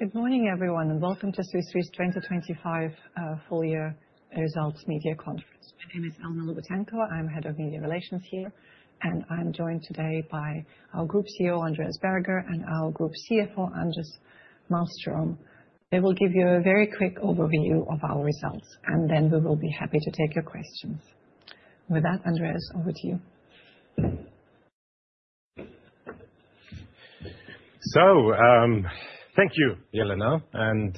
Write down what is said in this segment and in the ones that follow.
Good morning, everyone, and welcome to Swiss Re's 2025 Full Year Results Media Conference. My name is Elena Lutsenko. I'm Head of Media Relations here, and I'm joined today by our Group CEO, Andreas Berger, and our Group CFO, Anders Malmström. They will give you a very quick overview of our results, then we will be happy to take your questions. With that, Andreas, over to you. Thank you, Elena, and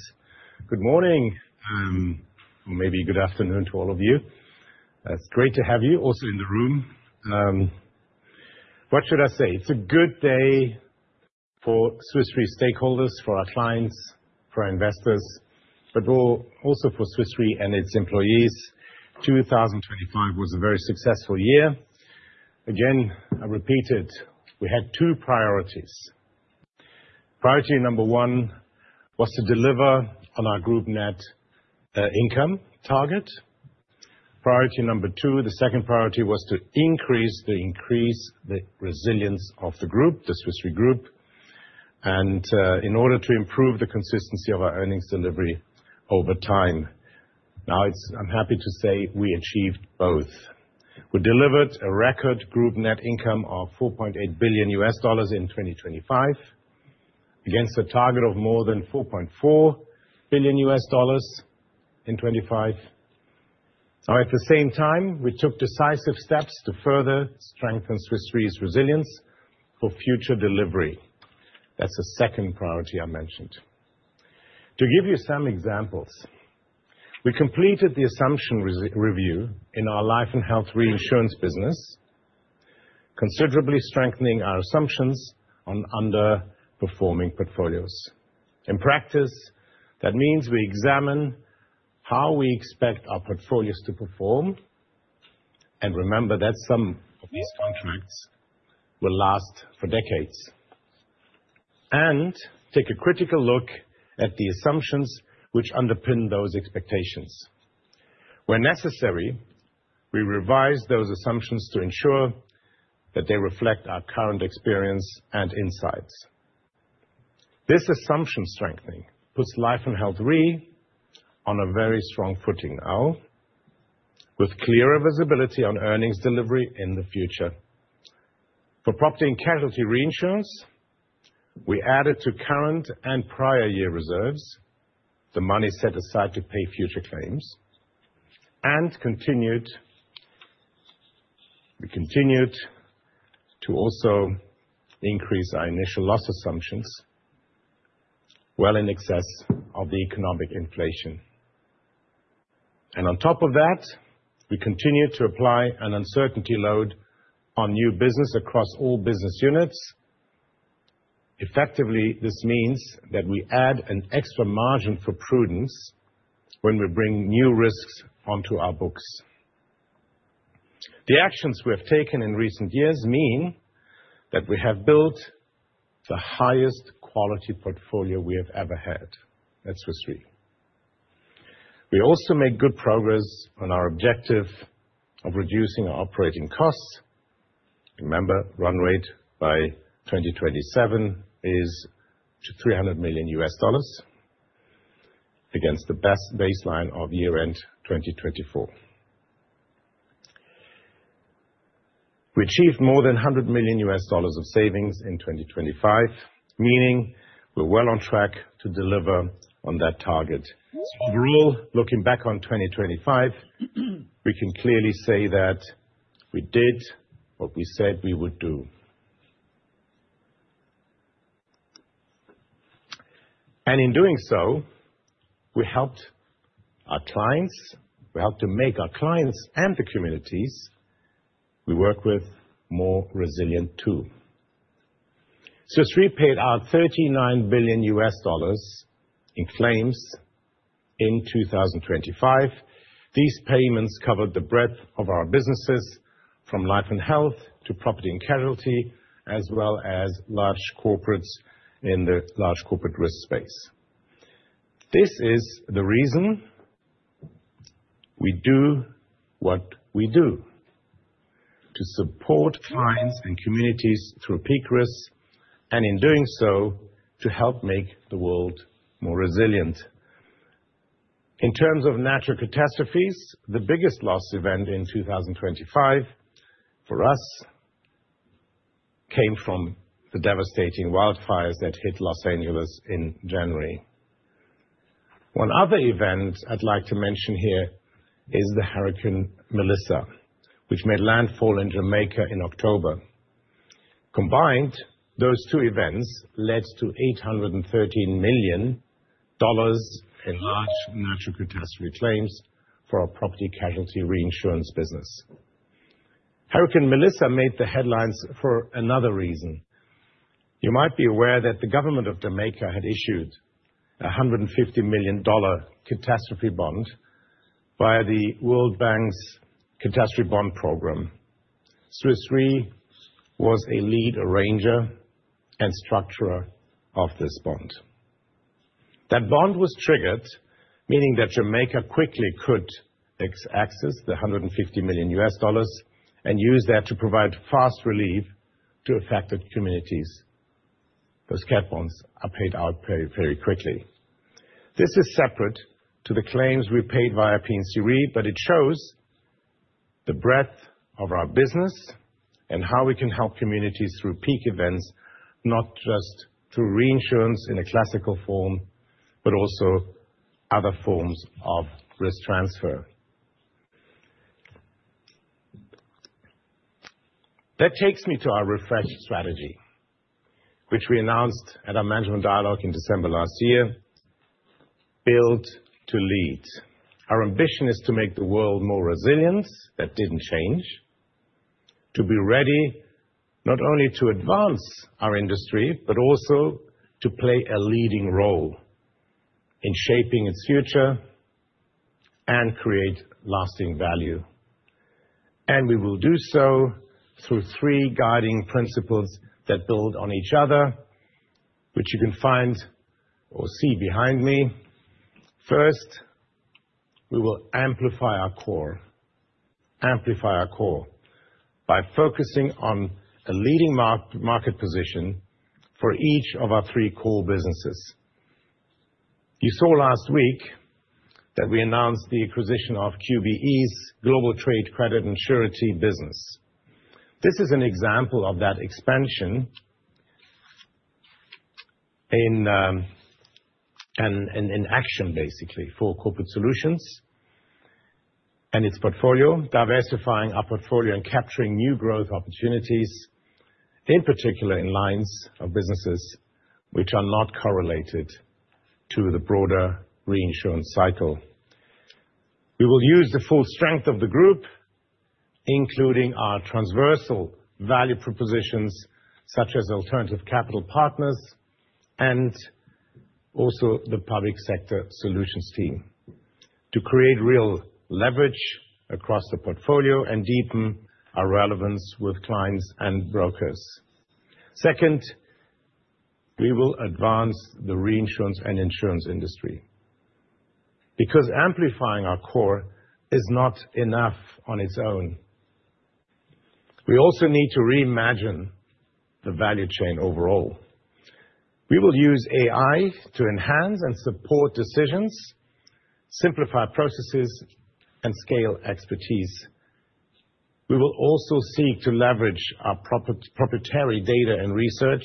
good morning, or maybe good afternoon to all of you. It's great to have you also in the room. What should I say? It's a good day for Swiss Re stakeholders, for our clients, for our investors, but also for Swiss Re and its employees. 2025 was a very successful year. Again, I repeat it, we had two priorities. Priority number one was to deliver on our group net income target. Priority number two, the second priority was to increase the resilience of the group, the Swiss Re Group, and in order to improve the consistency of our earnings delivery over time. Now, I'm happy to say we achieved both. We delivered a record group net income of $4.8 billion in 2025, against a target of more than $4.4 billion in 2025. At the same time, we took decisive steps to further strengthen Swiss Re's resilience for future delivery. That's the second priority I mentioned. To give you some examples, we completed the assumption review in our Life & Health Reinsurance business, considerably strengthening our assumptions on underperforming portfolios. In practice, that means we examine how we expect our portfolios to perform, remember that some of these contracts will last for decades, and take a critical look at the assumptions which underpin those expectations. Where necessary, we revise those assumptions to ensure that they reflect our current experience and insights. This assumption strengthening puts Life and Health Re on a very strong footing now, with clearer visibility on earnings delivery in the future. For Property and Casualty Reinsurance, we added to current and prior year reserves, the money set aside to pay future claims. We continued to also increase our initial loss assumptions well in excess of the economic inflation. On top of that, we continued to apply an uncertainty load on new business across all business units. Effectively, this means that we add an extra margin for prudence when we bring new risks onto our books. The actions we have taken in recent years mean that we have built the highest quality portfolio we have ever had at Swiss Re. We also made good progress on our objective of reducing our operating costs. Remember, run rate by 2027 is to $300 million against the best baseline of year-end 2024. We achieved more than $100 million of savings in 2025, meaning we're well on track to deliver on that target. Overall, looking back on 2025, we can clearly say that we did what we said we would do. In doing so, we helped our clients, we helped to make our clients and the communities we work with more resilient, too. Swiss Re paid out $39 billion in claims in 2025. These payments covered the breadth of our businesses, from life and health, to property and casualty, as well as large corporates in the large corporate risk space. This is the reason we do what we do: to support clients and communities through peak risks, and in doing so, to help make the world more resilient. In terms of natural catastrophes, the biggest loss event in 2025 for us came from the devastating wildfires that hit Los Angeles in January. One other event I'd like to mention here is the Hurricane Melissa, which made landfall in Jamaica in October. Combined, those two events led to $813 million in large natural catastrophe claims for our Property & Casualty Reinsurance business. Hurricane Melissa made the headlines for another reason. You might be aware that the government of Jamaica had issued a $150 million catastrophe bond by the World Bank's catastrophe bond program. Swiss Re was a lead arranger and structurer of this bond. That bond was triggered, meaning that Jamaica quickly could access the $150 million and use that to provide fast relief to affected communities. Those cat bonds are paid out very, very quickly. This is separate to the claims we paid via P&C Re, it shows the breadth of our business and how we can help communities through peak events, not just through reinsurance in a classical form, but also other forms of risk transfer. That takes me to our refreshed strategy, which we announced at our Management Dialogue in December last year, Build to Lead. Our ambition is to make the world more resilient. That didn't change. To be ready, not only to advance our industry, but also to play a leading role in shaping its future and create lasting value. We will do so through three guiding principles that build on each other, which you can find or see behind me. First, we will amplify our core. Amplify our core by focusing on a leading market position for each of our three core businesses. You saw last week that we announced the acquisition of QBE's Global Trade Credit and Surety business. This is an example of that expansion in action, basically, for Corporate Solutions and its portfolio, diversifying our portfolio and capturing new growth opportunities, in particular, in lines of businesses which are not correlated to the broader reinsurance cycle. We will use the full strength of the group, including our transversal value propositions, such as Alternative Capital Partners and also the Public Sector Solutions team, to create real leverage across the portfolio and deepen our relevance with clients and brokers. Second, we will advance the reinsurance and insurance industry, because amplifying our core is not enough on its own. We also need to reimagine the value chain overall. We will use AI to enhance and support decisions, simplify processes, and scale expertise. We will also seek to leverage our proprietary data and research,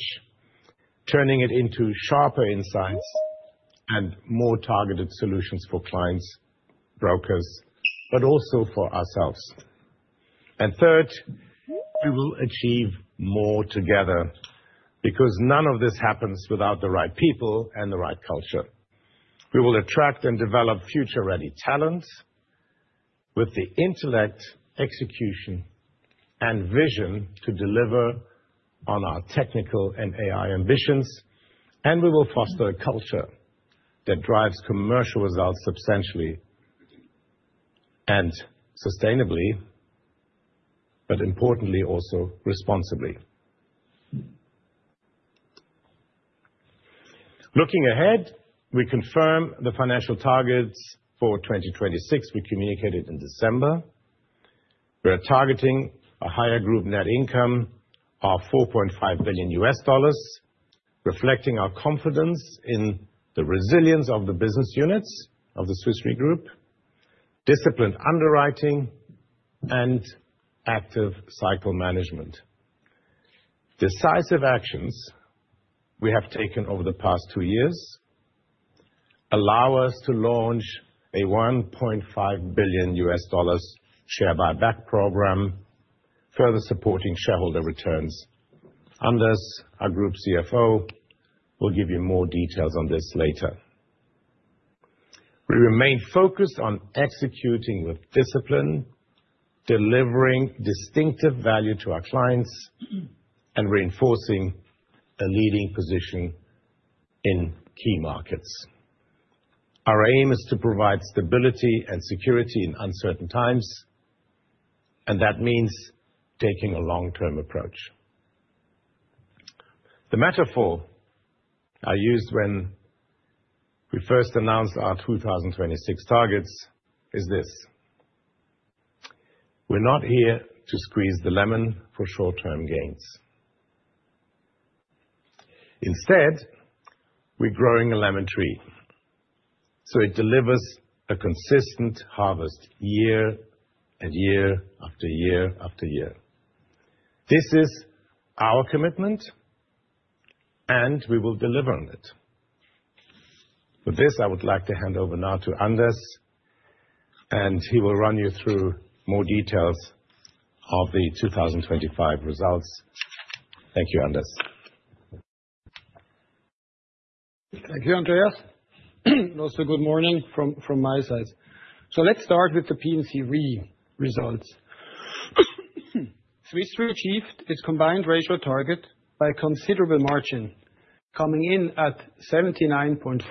turning it into sharper insights and more targeted solutions for clients, brokers, but also for ourselves. Third, we will achieve more together, because none of this happens without the right people and the right culture. We will attract and develop future-ready talents with the intellect, execution, and vision to deliver on our technical and AI ambitions, and we will foster a culture that drives commercial results substantially and sustainably, but importantly, also responsibly. Looking ahead, we confirm the financial targets for 2026 we communicated in December. We are targeting a higher group net income of $4.5 billion, reflecting our confidence in the resilience of the business units of the Swiss Re Group, disciplined underwriting, and active cycle management. Decisive actions we have taken over the past two years allow us to launch a $1.5 billion share buyback program, further supporting shareholder returns. Anders, our Group CFO, will give you more details on this later. We remain focused on executing with discipline, delivering distinctive value to our clients, and reinforcing a leading position in key markets. Our aim is to provide stability and security in uncertain times, and that means taking a long-term approach. The metaphor I used when we first announced our 2026 targets is this: We're not here to squeeze the lemon for short-term gains. Instead, we're growing a lemon tree, so it delivers a consistent harvest year and year after year after year. This is our commitment, and we will deliver on it. With this, I would like to hand over now to Anders, and he will run you through more details of the 2025 results. Thank you, Anders. Thank you, Andreas. Also, good morning from my side. Let's start with the P&C Re results. Swiss Re achieved its combined ratio target by a considerable margin, coming in at 79.4%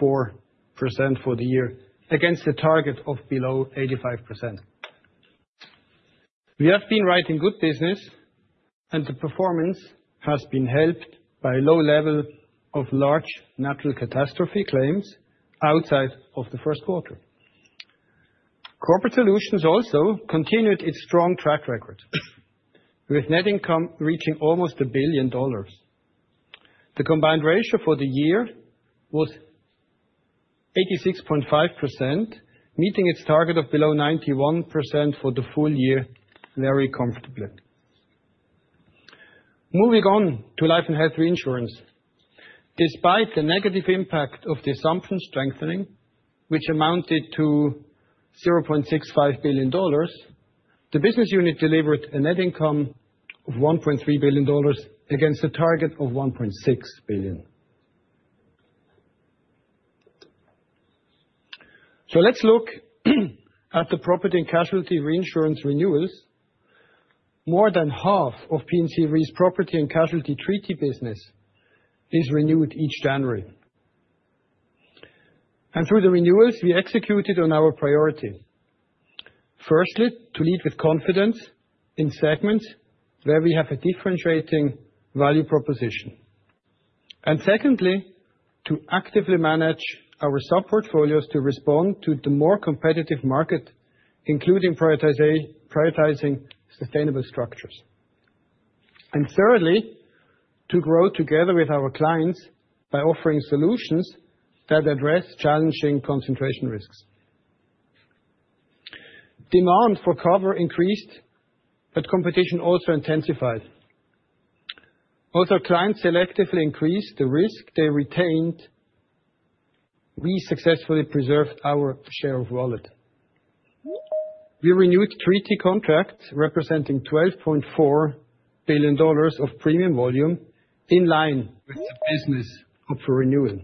for the year against a target of below 85%. We have been writing good business, and the performance has been helped by a low level of large natural catastrophe claims outside of the first quarter. Corporate Solutions also continued its strong track record, with net income reaching almost $1 billion. The combined ratio for the year was 86.5%, meeting its target of below 91% for the full year, very comfortably. Moving on to Life & Health Reinsurance. Despite the negative impact of the assumption strengthening, which amounted to $0.65 billion, the business unit delivered a net income of $1.3 billion against a target of $1.6 billion. Let's look at the Property & Casualty Reinsurance renewals. More than half of P&C Re's Property & Casualty treaty business is renewed each January. Through the renewals, we executed on our priority. Firstly, to lead with confidence in segments where we have a differentiating value proposition. Secondly, to actively manage our sub-portfolios to respond to the more competitive market, including prioritizing sustainable structures. Thirdly, to grow together with our clients by offering solutions that address challenging concentration risks. Demand for cover increased, but competition also intensified. Although clients selectively increased the risk they retained, we successfully preserved our share of wallet. We renewed treaty contracts representing $12.4 billion of premium volume in line with the business up for renewal.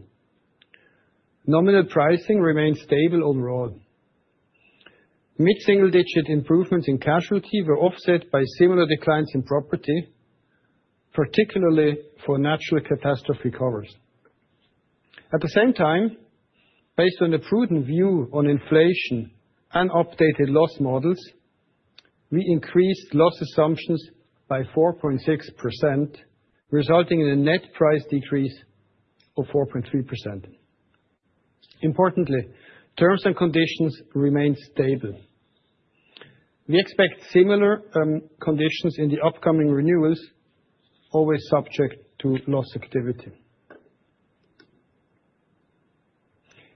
Nominal pricing remained stable overall. Mid-single digit improvements in casualty were offset by similar declines in property, particularly for natural catastrophe covers. At the same time, based on a prudent view on inflation and updated loss models, we increased loss assumptions by 4.6%, resulting in a net price decrease of 4.3%. Importantly, terms and conditions remained stable. We expect similar conditions in the upcoming renewals, always subject to loss activity.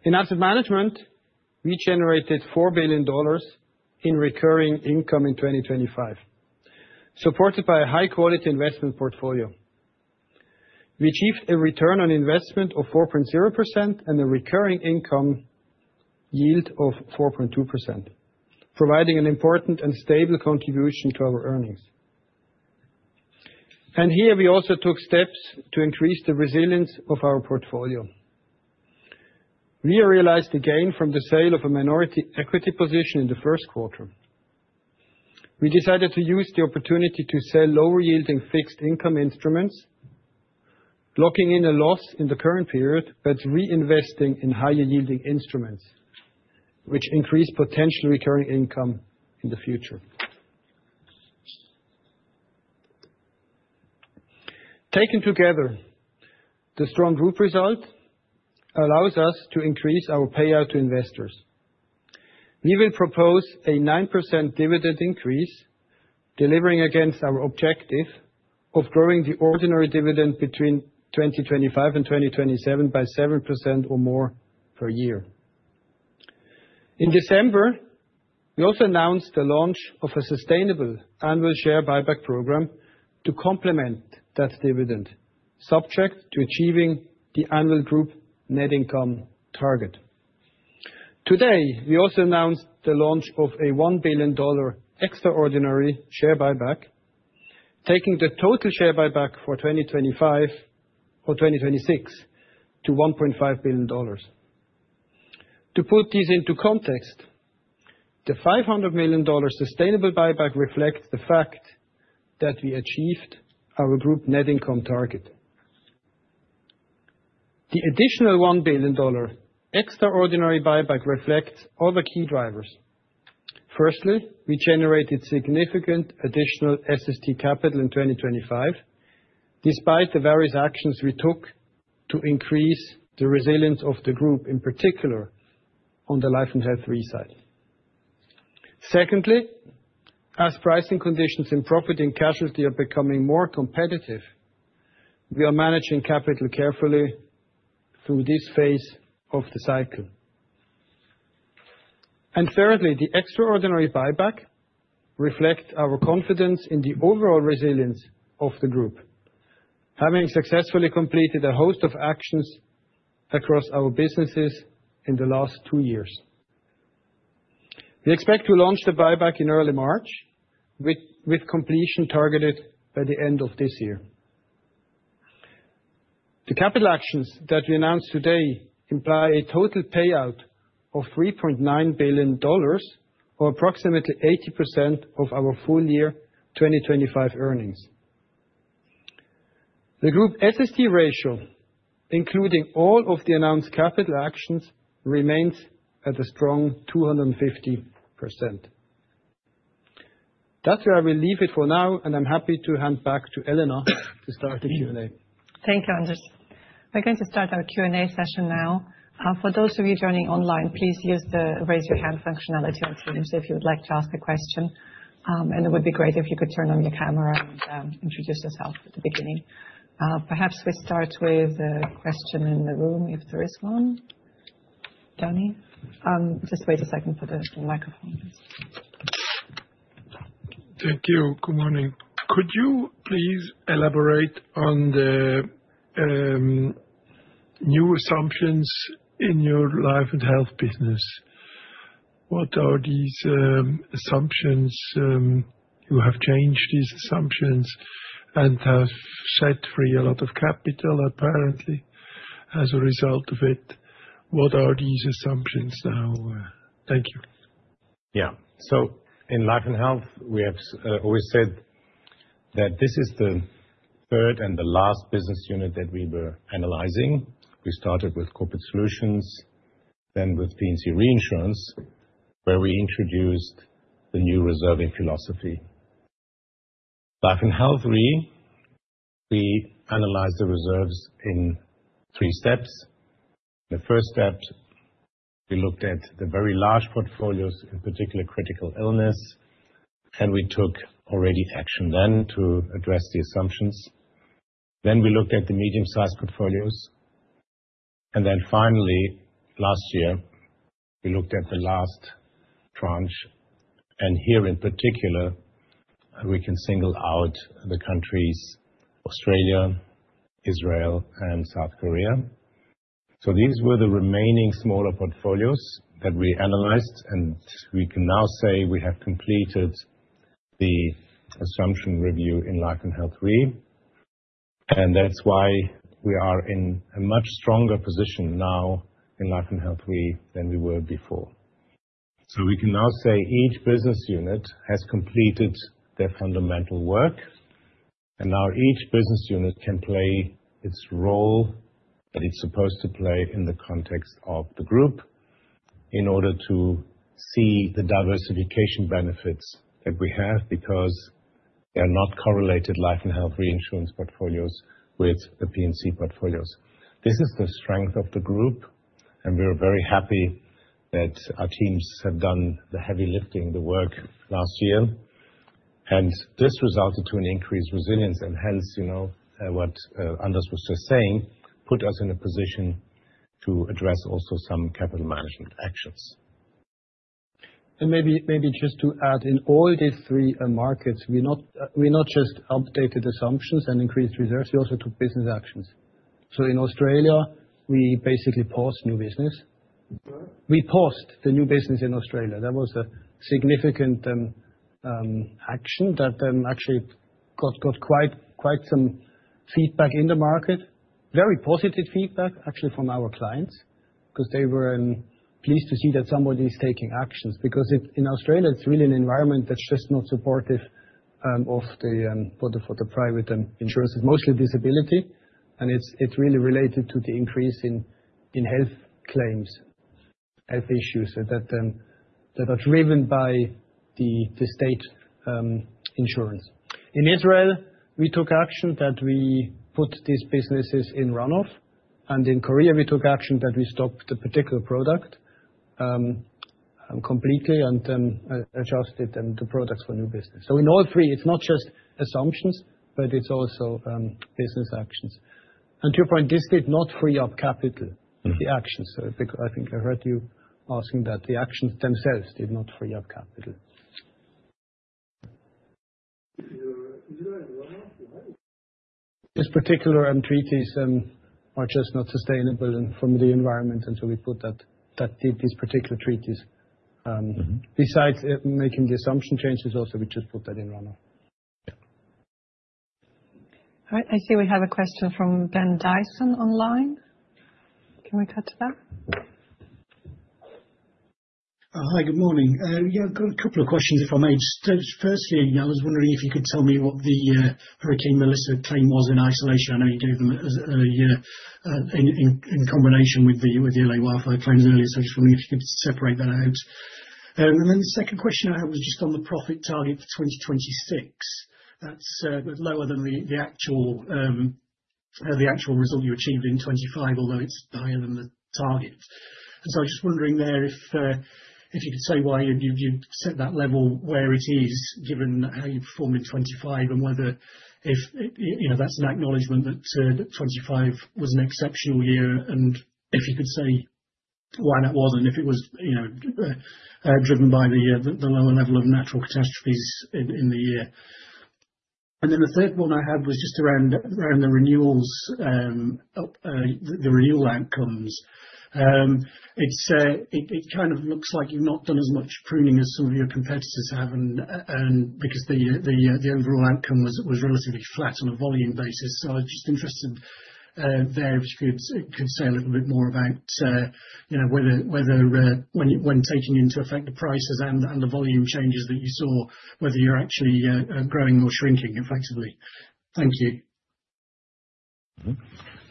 In asset management, we generated $4 billion in recurring income in 2025, supported by a high-quality investment portfolio. We achieved a return on investment of 4.0% and a recurring income yield of 4.2%, providing an important and stable contribution to our earnings. Here, we also took steps to increase the resilience of our portfolio. We realized a gain from the sale of a minority equity position in the first quarter. We decided to use the opportunity to sell lower-yielding fixed income instruments, locking in a loss in the current period, but reinvesting in higher-yielding instruments, which increase potential recurring income in the future. Taken together, the strong Group result allows us to increase our payout to investors. We will propose a 9% dividend increase, delivering against our objective of growing the ordinary dividend between 2025 and 2027 by 7% or more per year. In December, we also announced the launch of a sustainable annual share buyback program to complement that dividend, subject to achieving the annual Group net income target. Today, we also announced the launch of a $1 billion extraordinary share buyback, taking the total share buyback for 2025 or 2026 to $1.5 billion. To put this into context, the $500 million sustainable buyback reflects the fact that we achieved our group net income target. The additional $1 billion extraordinary buyback reflects all the key drivers. Firstly, we generated significant additional SST capital in 2025, despite the various actions we took to increase the resilience of the group, in particular, on the Life & Health Re side. Secondly, as pricing conditions in Property & Casualty are becoming more competitive, we are managing capital carefully through this phase of the cycle. Thirdly, the extraordinary buyback reflect our confidence in the overall resilience of the Group, having successfully completed a host of actions across our businesses in the last 2 years. We expect to launch the buyback in early March, with completion targeted by the end of this year. The capital actions that we announced today imply a total payout of $3.9 billion, or approximately 80% of our full year 2025 earnings. The Group SST ratio, including all of the announced capital actions, remains at a strong 250%. That's where I will leave it for now. I'm happy to hand back to Elena to start the Q&A. Thank you, Anders. We're going to start our Q&A session now. For those of you joining online, please use the Raise Your Hand functionality on Zoom if you would like to ask a question. It would be great if you could turn on your camera and introduce yourself at the beginning. Perhaps we start with a question in the room, if there is one. Johnny? Just wait a second for the microphone. Thank you. Good morning. Could you please elaborate on the new assumptions in your Life and Health business? What are these assumptions you have changed these assumptions, and have set free a lot of capital, apparently, as a result of it? What are these assumptions now? Thank you. Yeah. In Life & Health, we have always said that this is the third and the last business unit that we were analyzing. We started with Corporate Solutions, then with P&C Reinsurance, where we introduced the new reserving philosophy. Life & Health Re, we analyzed the reserves in three steps. The first step, we looked at the very large portfolios, in particular, critical illness, and we took already action then to address the assumptions. We looked at the medium-sized portfolios, finally, last year, we looked at the last tranche, here in particular, we can single out the countries Australia, Israel, and South Korea. These were the remaining smaller portfolios that we analyzed, and we can now say we have completed the assumption review in Life & Health Reinsurance. That's why we are in a much stronger position now in Life & Health Reinsurance than we were before. We can now say each business unit has completed their fundamental work, and now each business unit can play its role that it's supposed to play in the context of the group, in order to see the diversification benefits that we have, because they are not correlated Life & Health Reinsurance portfolios with the P&C portfolios. This is the strength of the group, and we are very happy that our teams have done the heavy lifting, the work last year. This resulted to an increased resilience, and hence, you know, what Anders was just saying, put us in a position to address also some capital management actions. Maybe just to add, in all these three markets, we not, we not just updated assumptions and increased reserves, we also took business actions. In Australia, we basically paused new business. Sorry? We paused the new business in Australia. That was a significant action that actually got quite some feedback in the market. Very positive feedback, actually, from our clients, 'cause they were pleased to see that somebody is taking actions. In Australia, it's really an environment that's just not supportive of the for the private and insurance. It's mostly disability, and it's really related to the increase in health claims, health issues, so that are driven by the state insurance. In Israel, we took action that we put these businesses in run-off, and in Korea, we took action that we stopped the particular product completely and then adjusted them to products for new business. In all three, it's not just assumptions, but it's also business actions. To your point, this did not free up capital, the actions. Because I think I heard you asking that. The actions themselves did not free up capital. Is there a run-off you have? These particular treaties are just not sustainable in from the environment, and so we put these particular treaties. Besides it making the assumption changes, also, we just put that in run-off. Yeah. All right, I see we have a question from Ben Dyson online. Can we cut to that? Hi, good morning. Yeah, I've got a couple of questions, if I may. Firstly, I was wondering if you could tell me what the Hurricane Melissa claim was in isolation. I know you gave them as a in combination with the L.A. wildfire claims earlier. I was wondering if you could separate that out. The second question I had was just on the profit target for 2026. That's lower than the actual result you achieved in 2025, although it's higher than the target. I was just wondering there if you could say why you set that level where it is, given how you performed in 25, and whether if, you know, that's an acknowledgement that 25 was an exceptional year, and if you could say why that was, and if it was, you know, driven by the lower level of natural catastrophes in the year. The third one I had was just around the renewals, the renewal outcomes. It kind of looks like you've not done as much pruning as some of your competitors have, and because the overall outcome was relatively flat on a volume basis. I was just interested there, if you could say a little bit more about, you know, whether when taking into effect the prices and the volume changes that you saw, whether you're actually growing or shrinking effectively? Thank you.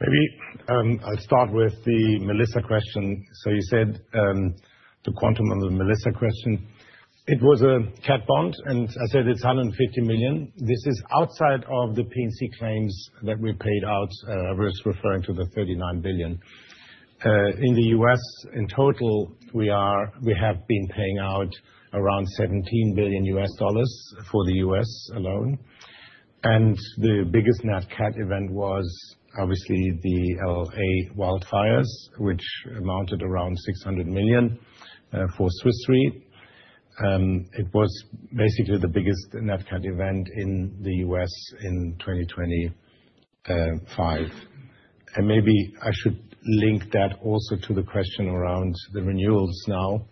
Maybe I'll start with the Hurricane Melissa question. You said the quantum on the Hurricane Melissa question. It was a cat bond, and I said it's $150 million. This is outside of the P&C claims that we paid out, where it's referring to the $39 billion. In the U.S., in total, we have been paying out around $17 billion for the U.S. alone. The biggest Nat Cat event was obviously the L.A. wildfires, which amounted around $600 million for Swiss Re. It was basically the biggest Nat Cat event in the U.S. in 2025. Maybe I should link that also to the question around the renewals now.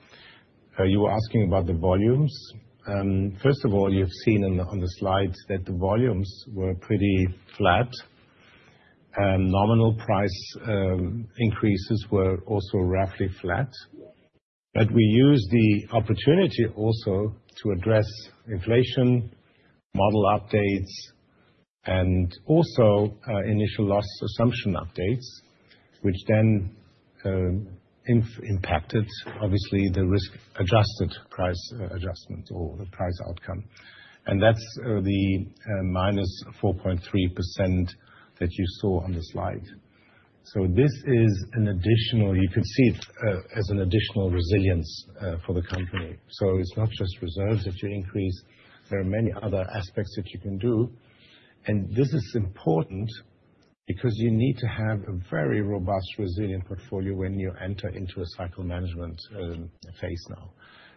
You were asking about the volumes? First of all, you've seen on the, on the slides that the volumes were pretty flat, and nominal price increases were also roughly flat. We used the opportunity also to address inflation, model updates, and also initial loss assumption updates, which then impacted, obviously, the risk-adjusted price adjustment or the price outcome. That's the -4.3% that you saw on the slide. So this is an additional. You can see it as an additional resilience for the company. So it's not just reserves that you increase, there are many other aspects that you can do. This is important because you need to have a very robust, resilient portfolio when you enter into a cycle management phase now.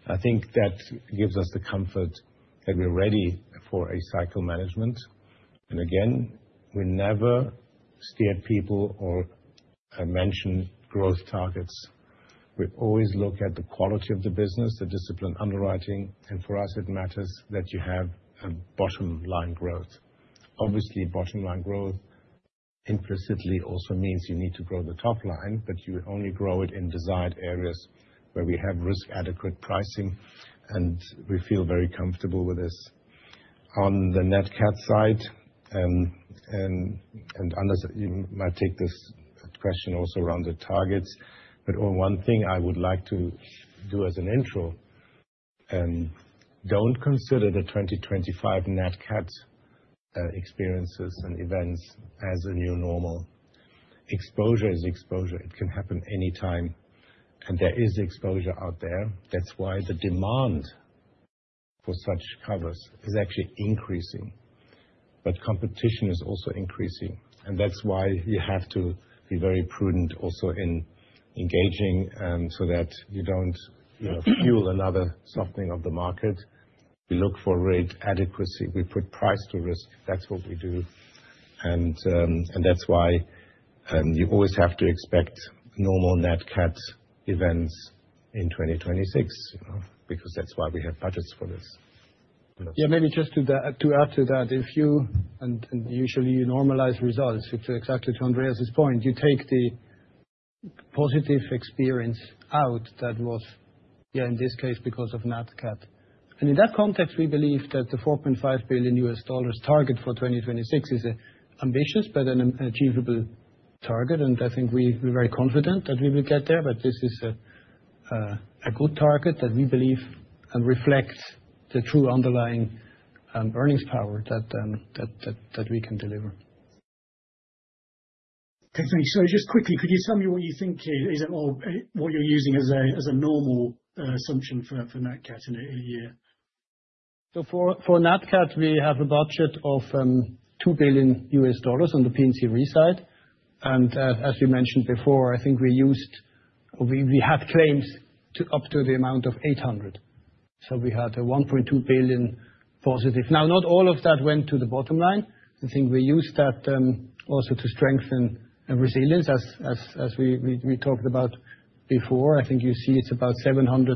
I think that gives us the comfort that we're ready for a cycle management. Again, we never steer people or mention growth targets. We always look at the quality of the business, the disciplined underwriting, and for us, it matters that you have a bottom line growth. Obviously, bottom line growth implicitly also means you need to grow the top line, but you only grow it in desired areas where we have risk-adequate pricing, and we feel very comfortable with this. On the Nat Cat side, and Anders, you might take this question also around the targets, but one thing I would like to do as an intro, don't consider the 2025 Nat Cat experiences and events as a new normal. Exposure is exposure. It can happen anytime, and there is exposure out there. That's why the demand for such covers is actually increasing. Competition is also increasing, and that's why you have to be very prudent also in engaging, so that you don't, you know, fuel another softening of the market. We look for rate adequacy. We put price to risk. That's what we do. That's why you always have to expect normal Nat Cat events in 2026, because that's why we have budgets for this. Yeah, maybe just to add to that, if you, and usually you normalize results, which exactly to Andreas's point, you take the positive experience out that was, yeah, in this case, because of Nat Cat. In that context, we believe that the $4.5 billion target for 2026 is a ambitious but an achievable target, and I think we're very confident that we will get there. This is a good target that we believe reflects the true underlying earnings power that we can deliver. Thanks. Just quickly, could you tell me what you think is at all, what you're using as a, as a normal, assumption for Nat Cat in a year? For Nat Cat, we have a budget of $2 billion on the P&C Re side. As we mentioned before, I think we had claims up to the amount of $800 million. We had a $1.2 billion positive. Not all of that went to the bottom line. I think we used that also to strengthen the resilience as we talked about before. I think you see it's about $700 million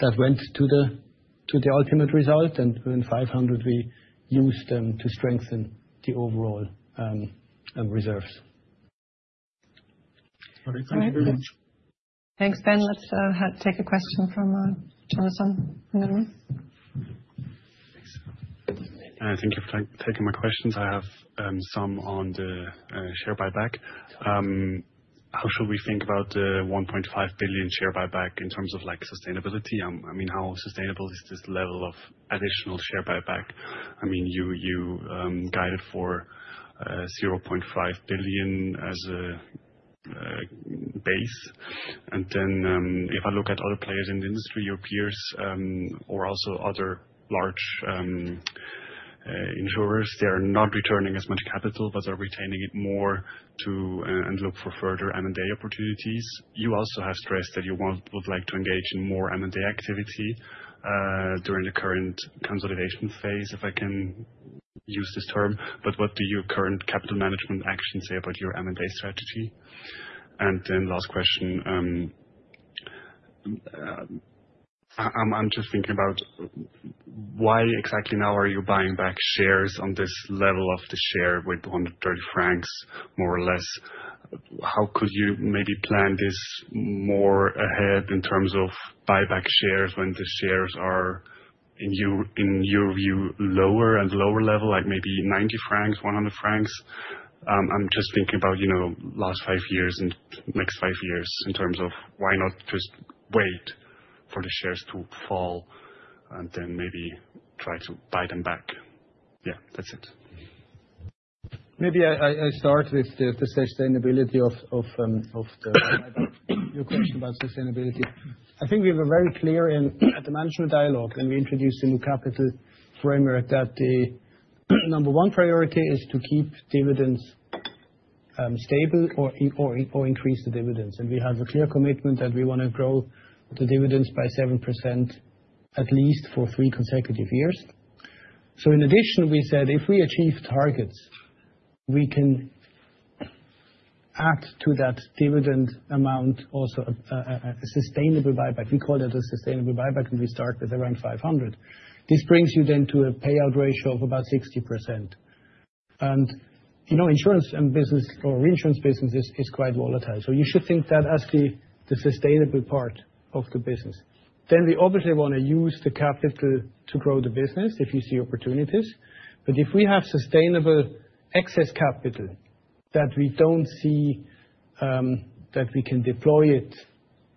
that went to the ultimate result, and then $500 million we used to strengthen the overall reserves. All right. Thank you very much. Thanks, Ben. Let's, have take a question from, Jonathan. Thanks. Thank you for taking my questions. I have some on the share buyback. How should we think about the $1.5 billion share buyback in terms of, like, sustainability? I mean, how sustainable is this level of additional share buyback? I mean, you guided for $0.5 billion as a base. If I look at other players in the industry, your peers, or also other large insurers, they are not returning as much capital, but are retaining it more to and look for further M&A opportunities. You also have stressed that you would like to engage in more M&A activity during the current consolidation phase, if I can use this term, but what do your current capital management actions say about your M&A strategy? Last question, I'm just thinking about why exactly now are you buying back shares on this level of the share with 100 francs, more or less? How could you maybe plan this more ahead in terms of buyback shares, when the shares are, in your, in your view, lower and lower level, like maybe 90 francs, 100 francs? I'm just thinking about, you know, last five years and next five years, in terms of why not just wait for the shares to fall, and then maybe try to buy them back? Yeah, that's it. Maybe I start with the sustainability of the your question about sustainability. I think we were very clear in at the Management Dialogue when we introduced the new capital framework, that the number one priority is to keep dividends stable or increase the dividends. We have a clear commitment that we want to grow the dividends by 7%, at least for three consecutive years. In addition, we said, if we achieve targets, we can add to that dividend amount, also, a sustainable buyback. We call it a sustainable buyback, and we start with around $500. This brings you then to a payout ratio of about 60%. You know, insurance and business or reinsurance business is quite volatile, so you should think that as the sustainable part of the business. We obviously want to use the capital to grow the business, if you see opportunities. If we have sustainable excess capital that we don't see that we can deploy it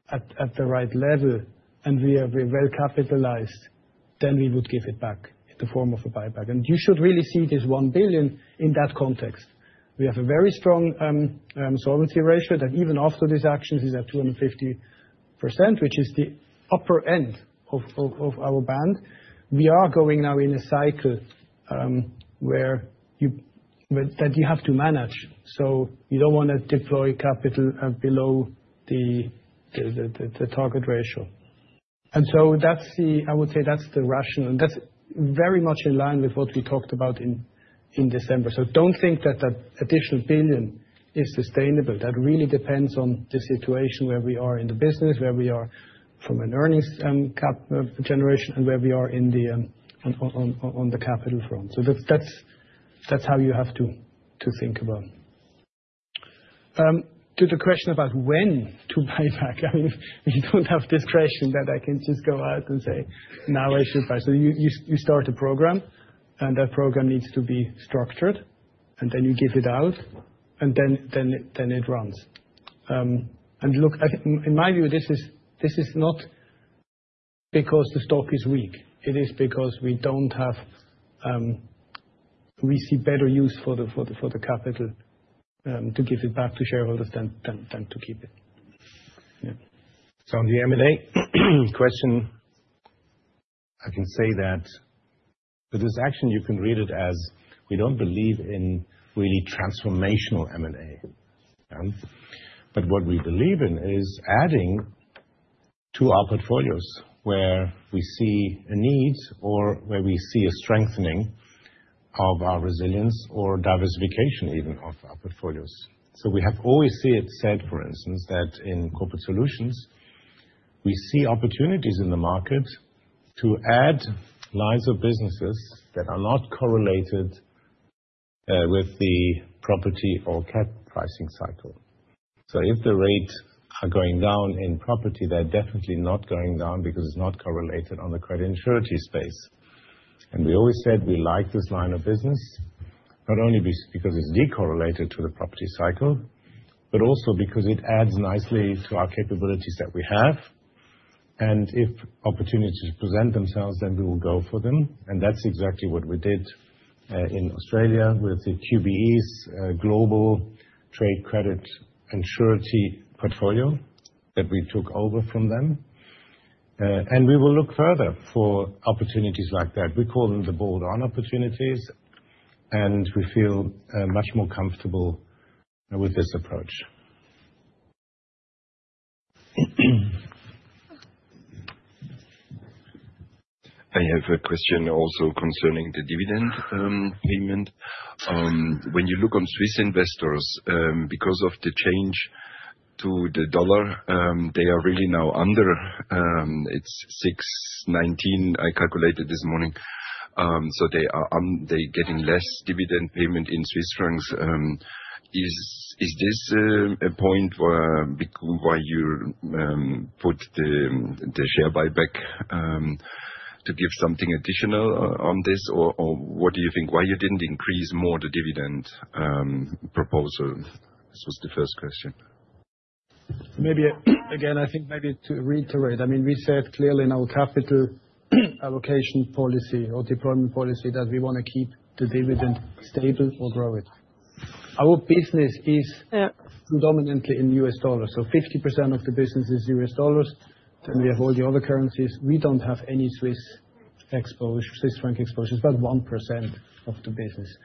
at the right level, and we are very well capitalized, then we would give it back in the form of a buyback. You should really see this $1 billion in that context. We have a very strong solvency ratio that even after these actions, is at 250%, which is the upper end of our band. We are going now in a cycle where you have to manage. You don't want to deploy capital below the target ratio. That's I would say, that's the rationale, and that's very much in line with what we talked about in December. Don't think that the additional $1 billion is sustainable. That really depends on the situation where we are in the business, where we are from an earnings and cap generation, and where we are on the capital front. That's how you have to think about it. To the question about when to buy back? I mean, we don't have discretion, that I can just go out and say, "Now I should buy." You start a program, and that program needs to be structured, and then you give it out, and then it runs. Look, I think in my view, this is not because the stock is weak. It is because we don't have. We see better use for the capital to give it back to shareholders than to keep it. Yeah. On the M&A question, I can say that with this action, you can read it as we don't believe in really transformational M&A, but what we believe in is adding to our portfolios where we see a need or where we see a strengthening of our resilience or diversification, even, of our portfolios. We have always said, for instance, that in Corporate Solutions, we see opportunities in the market to add lines of businesses that are not correlated with the property or cap pricing cycle. If the rates are going down in property, they're definitely not going down because it's not correlated on the credit insurance space. We always said we like this line of business, not only because it's decorrelated to the property cycle, but also because it adds nicely to our capabilities that we have. If opportunities present themselves, then we will go for them, and that's exactly what we did in Australia with the QBE's Global Trade Credit Insurance portfolio that we took over from them. We will look further for opportunities like that. We call them the bolt-on opportunities, and we feel much more comfortable with this approach. I have a question also concerning the dividend payment. When you look on Swiss investors, because of the change to the dollar, they are really now under, it's 6.19, I calculated this morning. They're getting less dividend payment in Swiss francs. Is this a point where why you put the share buyback to give something additional on this? What do you think, why you didn't increase more the dividend proposal? This was the first question. Maybe, again, I think maybe to reiterate. I mean, we said clearly in our capital allocation policy or deployment policy, that we want to keep the dividend stable or grow it. Our business is Yeah Predominantly in US dollars, 50% of the business is US dollars, then we have all the other currencies. We don't have any Swiss exposure, Swiss franc exposure. It's about 1% of the business.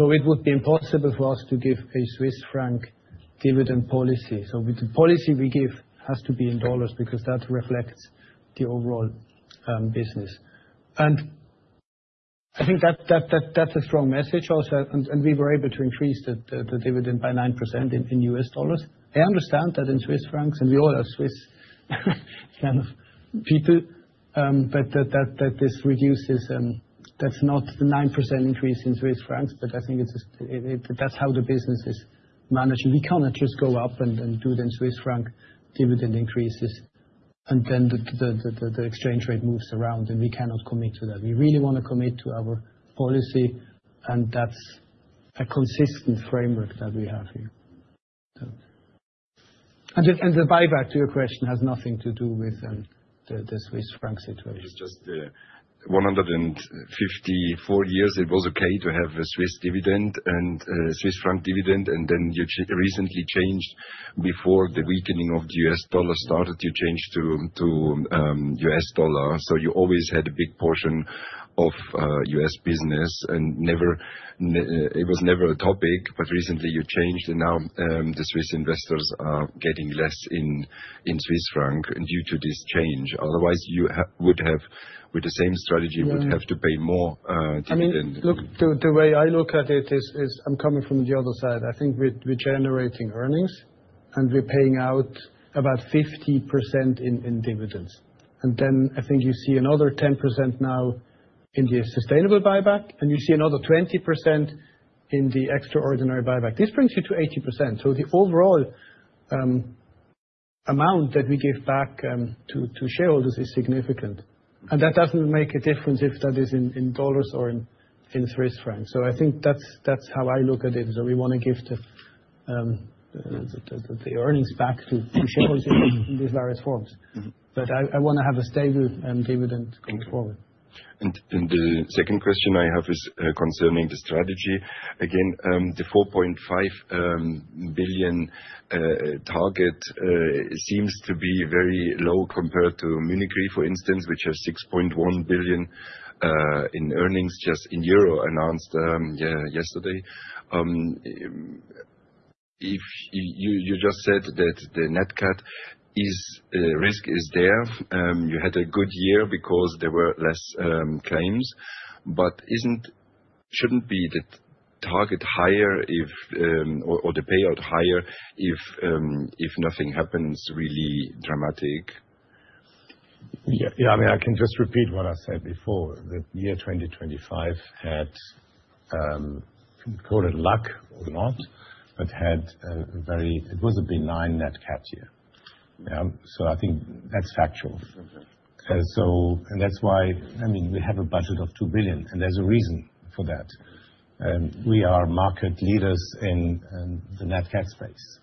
It would be impossible for us to give a Swiss franc dividend policy. The policy we give has to be in dollars, because that reflects the overall business. I think that's a strong message also, and we were able to increase the dividend by 9% in US dollars. I understand that in Swiss francs, and we all are Swiss kind of people, but that this reduces. That's not the 9% increase in Swiss francs, but I think it's that's how the business is managed. We cannot just go up and do the Swiss franc dividend increases, and then the exchange rate moves around, and we cannot commit to that. We really want to commit to our policy, and that's a consistent framework that we have here. The buyback, to your question, has nothing to do with the Swiss franc situation. It's just 154 years it was okay to have a Swiss dividend and Swiss franc dividend, and then you recently changed before the weakening of the US dollar started to change to US dollar. You always had a big portion of U.S. business, and never, it was never a topic, but recently you changed, and now the Swiss investors are getting less in Swiss franc due to this change. Otherwise, you would have, with the same strategy. Yeah. would have to pay more, dividend. I mean, look, the way I look at it is I'm coming from the other side. I think we're generating earnings, and we're paying out about 50% in dividends. I think you see another 10% now in the sustainable buyback, and you see another 20% in the extraordinary buyback. This brings you to 80%. The overall amount that we give back to shareholders is significant. That doesn't make a difference if that is in dollars or in Swiss francs. I think that's how I look at it. We want to give the earnings back to shareholders in these various forms. I wanna have a stable dividend going forward. The second question I have is concerning the strategy. Again, the 4.5 billion target seems to be very low compared to Munich Re, for instance, which has 6.1 billion in earnings, just in EUR, announced yesterday. If you just said that the Nat Cat risk is there. You had a good year because there were less claims, but shouldn't be the target higher if or the payout higher if nothing happens really dramatic? Yeah, yeah, I mean, I can just repeat what I said before, that year 2025 had, call it luck or not, but had a very. It was a benign Nat Cat year. I think that's factual. That's why, I mean, we have a budget of $2 billion, and there's a reason for that. We are market leaders in the Nat Cat space.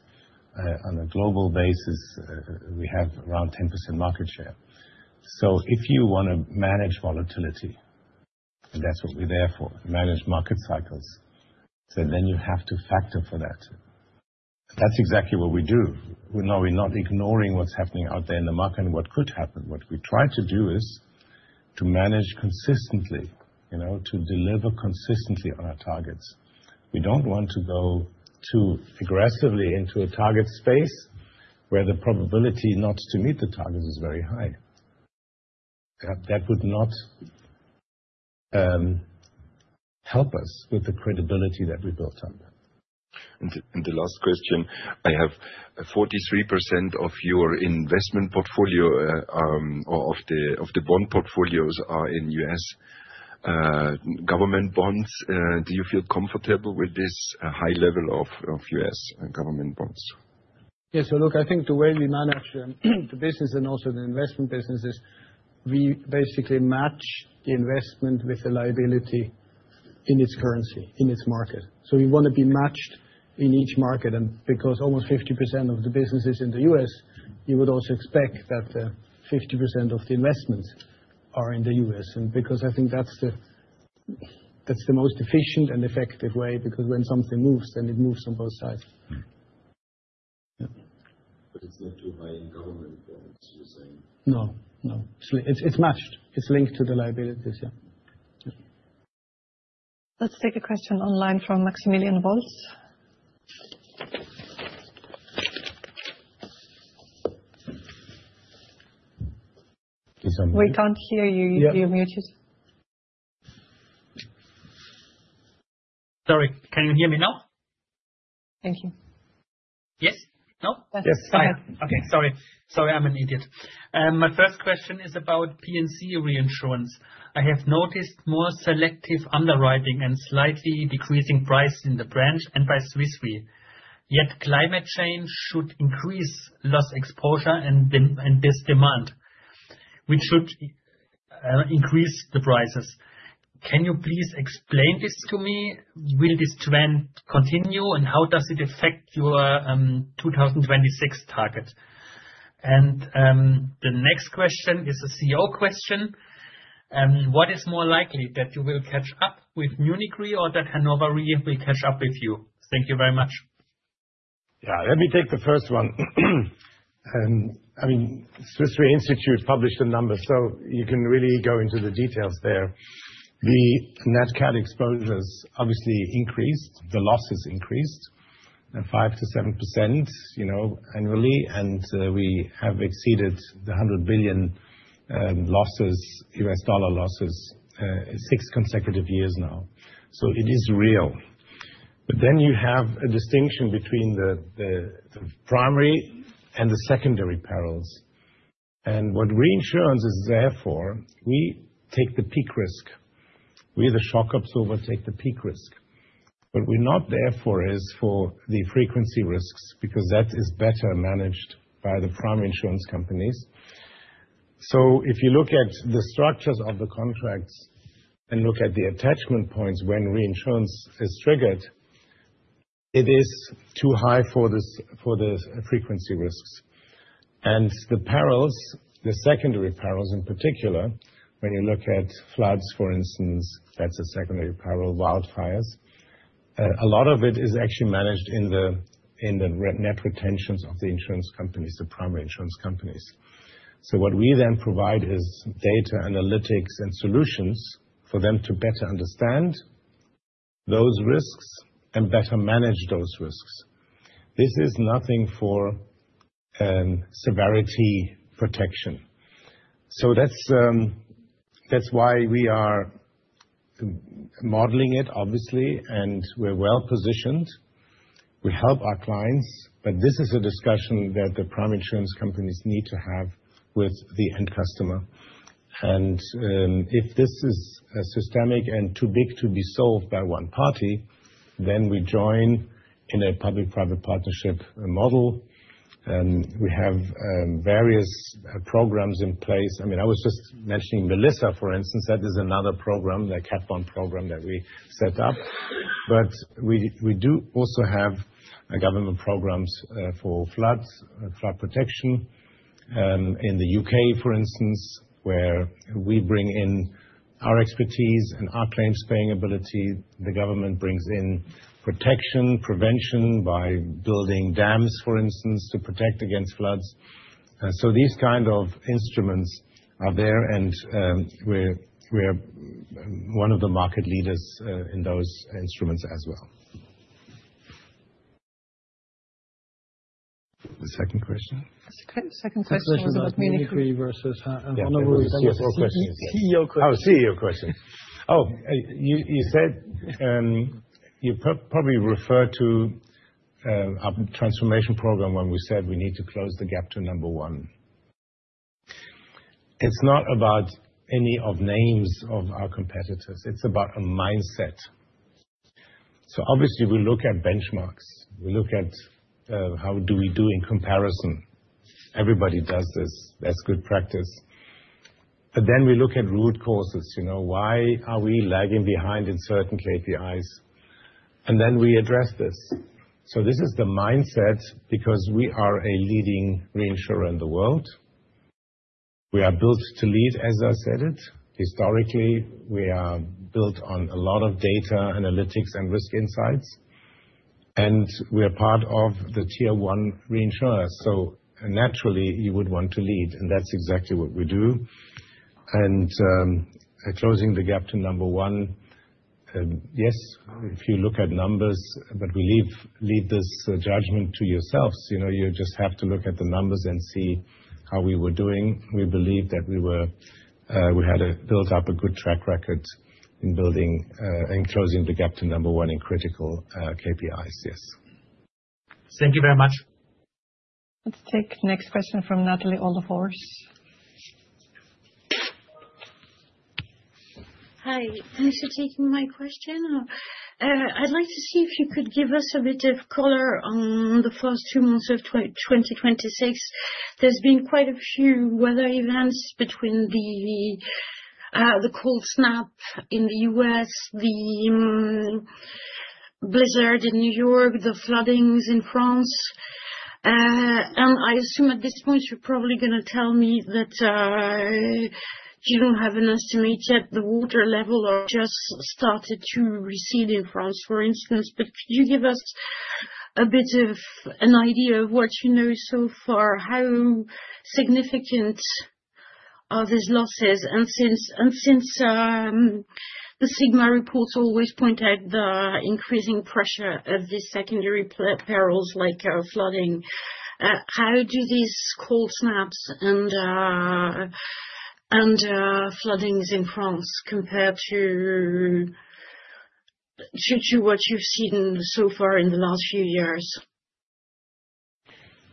On a global basis, we have around 10% market share. If you wanna manage volatility, and that's what we're there for, manage market cycles, you have to factor for that. That's exactly what we do. We're not ignoring what's happening out there in the market and what could happen. What we try to do is to manage consistently, you know, to deliver consistently on our targets. We don't want to go too aggressively into a target space, where the probability not to meet the target is very high. That would not help us with the credibility that we built up. The last question, I have 43% of your investment portfolio, or of the bond portfolios are in U.S. government bonds. Do you feel comfortable with this high level of U.S. government bonds? Yes. Look, I think the way we manage the business and also the investment business is we basically match the investment with the liability in its currency, in its market. We want to be matched in each market, and because almost 50% of the business is in the U.S., you would also expect that, 50% of the investments are in the U.S. Because I think that's the most efficient and effective way, because when something moves, then it moves on both sides. Yeah. It's not too high in government bonds, you're saying? No, no. It's matched. It's linked to the liabilities, yeah. Let's take a question online from Maximilian Voss. He's on mute. We can't hear you. Yeah. You're muted. Sorry, can you hear me now? Thank you. Yes? No. Yes. Fine. Okay, sorry. Sorry, I'm an idiot. My first question is about P&C Reinsurance. I have noticed more selective underwriting and slightly decreasing price in the branch and by Swiss Re. Yet climate change should increase loss exposure and this demand, which should increase the prices. Can you please explain this to me? Will this trend continue, and how does it affect your 2026 target? The next question is a CEO question. What is more likely, that you will catch up with Munich Re or that Hannover Re will catch up with you? Thank you very much. Yeah, let me take the first one. I mean, Swiss Re Institute published a number, you can really go into the details there. The Nat Cat exposures obviously increased, the losses increased 5%-7%, you know, annually, we have exceeded the $100 billion losses, US dollar losses, six consecutive years now. It is real. You have a distinction between the primary and the secondary perils. What reinsurance is there for, we take the peak risk. We, the shock absorber, take the peak risk. What we're not there for is for the frequency risks, because that is better managed by the primary insurance companies. If you look at the structures of the contracts and look at the attachment points when reinsurance is triggered, it is too high for this, for the frequency risks. The perils, the secondary perils in particular, when you look at floods, for instance, that's a secondary peril, wildfires. A lot of it is actually managed in the, in the net retentions of the insurance companies, the primary insurance companies. What we then provide is data, analytics, and solutions for them to better understand those risks and better manage those risks. This is nothing for severity protection. That's why we are modeling it, obviously, and we're well positioned. We help our clients, but this is a discussion that the primary insurance companies need to have with the end customer. If this is systemic and too big to be solved by one party, then we join in a public-private partnership model, and we have various programs in place. I mean, I was just mentioning Melissa, for instance. That is another program, the cat bond program that we set up. We do also have government programs for floods, flood protection. In the U.K., for instance, where we bring in our expertise and our claims-paying ability, the government brings in protection, prevention by building dams, for instance, to protect against floods. These kind of instruments are there, and we're one of the market leaders in those instruments as well. The second question? Second question was. Versus CEO question. Oh, CEO question. You said, you probably referred to our transformation program when we said we need to close the gap to number one. It's not about any of names of our competitors. It's about a mindset. Obviously we look at benchmarks, we look at how do we do in comparison. Everybody does this. That's good practice. Then we look at root causes. You know, why are we lagging behind in certain KPIs? Then we address this. This is the mindset, because we are a leading reinsurer in the world. We are built to lead, as I said it. Historically, we are built on a lot of data, analytics, and risk insights, and we are part of the tier one reinsurers, so naturally you would want to lead, and that's exactly what we do. Closing the gap to number one, yes, if you look at numbers, we leave this judgment to yourselves. You know, you just have to look at the numbers and see how we were doing. We believe that we were, we had built up a good track record in building, in closing the gap to number one in critical KPIs, yes. Thank you very much. Let's take the next question from Iain Pearce. Hi, thanks for taking my question. I'd like to see if you could give us a bit of color on the first two months of 2026. There's been quite a few weather events between the cold snap in the U.S., the blizzard in New York, the floodings in France. I assume at this point you're probably gonna tell me that you don't have an estimate yet. The water level has just started to recede in France, for instance. Could you give us a bit of an idea of what you know so far, how significant are these losses? Since the sigma reports always point out the increasing pressure of the secondary perils, like flooding, how do these cold snaps and floodings in France compare to what you've seen so far in the last few years?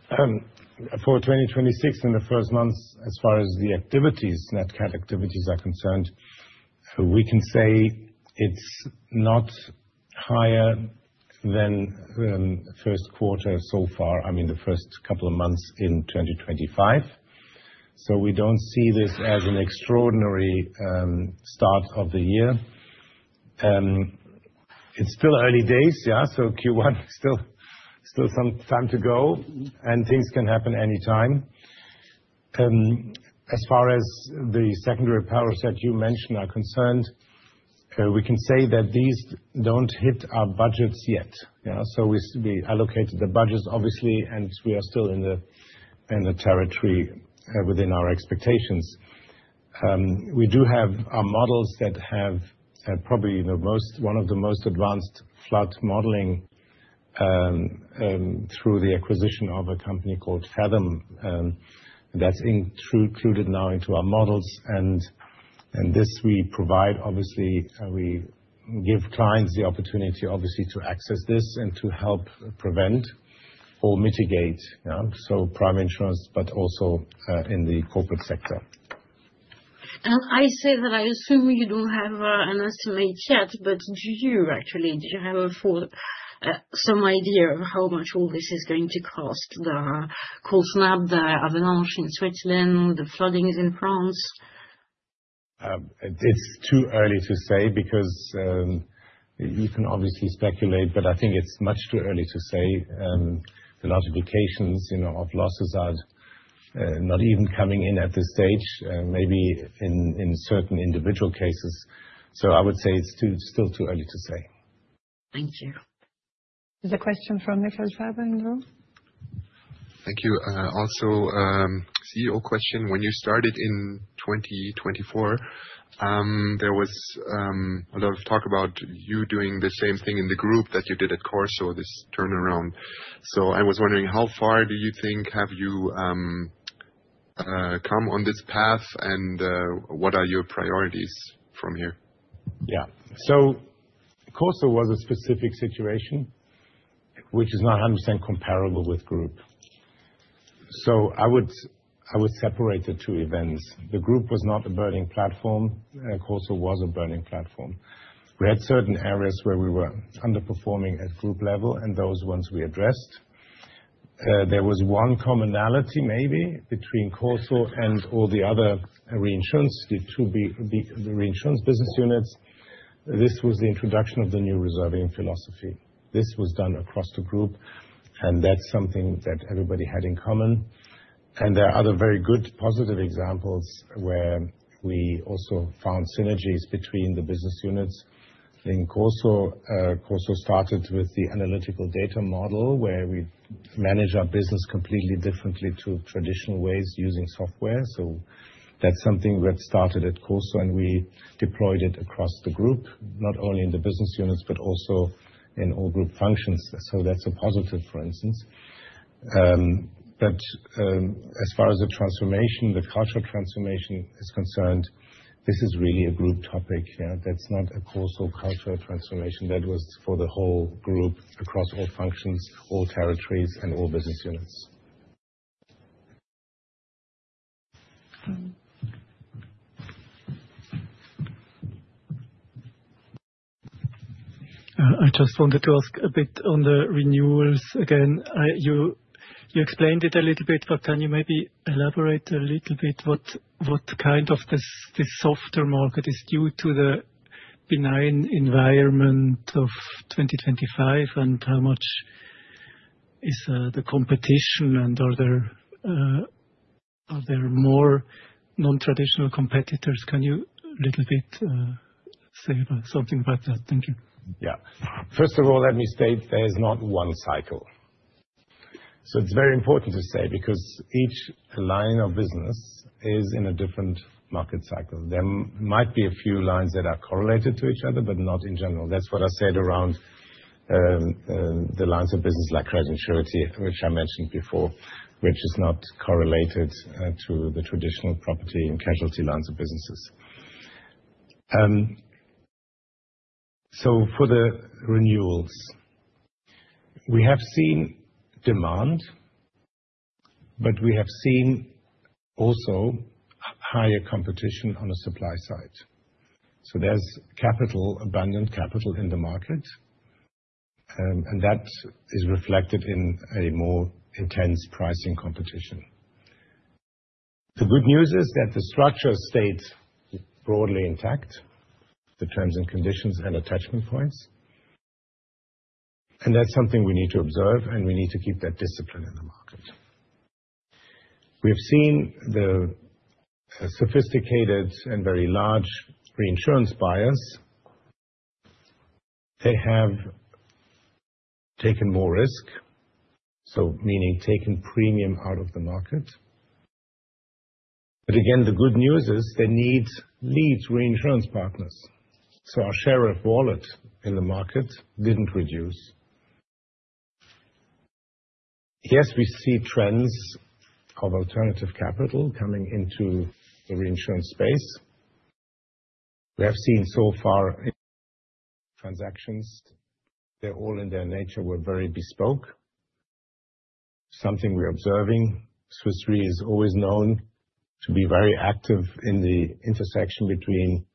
For 2026, in the first months, as far as the activities, Nat Cat activities are concerned, we can say it's not higher than first quarter so far, I mean, the first couple of months in 2025. We don't see this as an extraordinary start of the year. It's still early days, yeah, Q1, still some time to go, and things can happen anytime. As far as the secondary perils that you mentioned are concerned, we can say that these don't hit our budgets yet. Yeah, we allocated the budgets, obviously, and we are still in the territory within our expectations. We do have our models that have, probably the most, one of the most advanced flood modeling, through the acquisition of a company called Fathom, that's included now into our models. This we provide, obviously, we give clients the opportunity, obviously, to access this and to help prevent or mitigate, yeah, so prime insurance, but also, in the corporate sector. I say that I assume you don't have an estimate yet, but do you actually? Do you have a full, some idea of how much all this is going to cost, the cold snap, the avalanche in Switzerland, the floodings in France? It's too early to say because, you can obviously speculate, I think it's much too early to say. The notifications, you know, of losses are not even coming in at this stage, maybe in certain individual cases. I would say it's still too early to say. Thank you. There's a question from James Shuck, hello. Thank you. Also, CEO question. When you started in 2024, there was a lot of talk about you doing the same thing in the group that you did at CorSo, this turnaround. I was wondering, how far do you think have you come on this path, and what are your priorities from here? Yeah. Corporate Solutions was a specific situation which is not 100% comparable with Swiss Re Group. I would separate the two events. The Swiss Re Group was not a burning platform, and Corporate Solutions was a burning platform. We had certain areas where we were underperforming at Swiss Re Group level, and those ones we addressed. There was one commonality maybe between Corporate Solutions and all the other reinsurance, the reinsurance business units. This was the introduction of the new reserving philosophy. This was done across the Swiss Re Group, and that's something that everybody had in common. There are other very good, positive examples where we also found synergies between the business units. I think Corporate Solutions started with the analytical data model, where we manage our business completely differently to traditional ways using software. That's something that started at CorSo, and we deployed it across the Group, not only in the business units, but also in all Group functions. That's a positive, for instance. But, as far as the transformation, the cultural transformation is concerned, this is really a Group topic. That's not a CorSo cultural transformation. That was for the whole Group, across all functions, all territories and all business units. I just wanted to ask a bit on the renewals again. You explained it a little bit, but can you maybe elaborate a little bit what kind of this softer market is due to the benign environment of 2025, and how much is the competition, and are there more non-traditional competitors? Can you a little bit say about something about that? Thank you. First of all, let me state, there is not one cycle. It's very important to say, because each line of business is in a different market cycle. There might be a few lines that are correlated to each other, but not in general. That's what I said around the lines of business like credit and surety, which I mentioned before, which is not correlated to the traditional property and casualty lines of businesses. For the renewals, we have seen demand, but we have seen also higher competition on the supply side. There's capital, abundant capital in the market, and that is reflected in a more intense pricing competition. The good news is that the structure stayed broadly intact, the terms and conditions and attachment points. That's something we need to observe, we need to keep that discipline in the market. We have seen the sophisticated and very large reinsurance buyers. They have taken more risk, meaning taking premium out of the market. Again, the good news is they need reinsurance partners, our share of wallet in the market didn't reduce. Yes, we see trends of alternative capital coming into the reinsurance space. We have seen so far transactions. They all, in their nature, were very bespoke, something we are observing. Swiss Re is always known to be very active in the intersection between